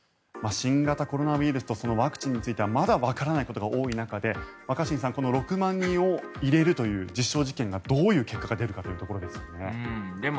新型コロナウイルスとそのワクチンについてはまだわからないことが多い中で若新さんこの６万人を入れるという実証実験がどういう結果が出るかというところですね。